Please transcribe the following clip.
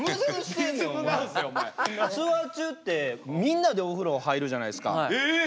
ツアー中ってみんなでお風呂入るじゃないっすか。